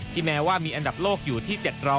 แม้ว่ามีอันดับโลกอยู่ที่๗๐